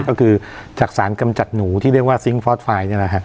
ก็คือจากสารกำจัดหนูที่เรียกว่าซิงค์ฟอร์สไฟล์